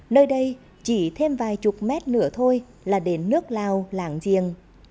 nơi đây chỉ thêm vài chục mét nữa thôi là đến nước lào lạng diền